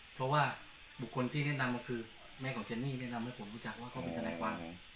เพราะว่าบุคคลที่แนะนำมาคือแม่ของเจนนี่แนะนำให้ผมรู้จักว่าเขาเป็นทนายความ